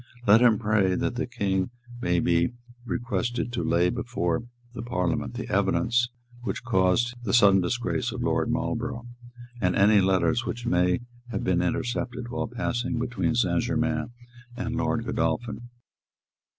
Let him pray that the King may be requested to lay before Parliament the evidence which caused the sudden disgrace of Lord Marlborough, and any letters which may have been intercepted while passing between Saint Germains and Lord Godolphin.